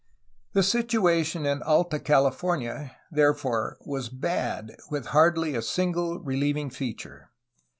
The situation in Alta California, therefore, was bad, with hardly a single reheving feature.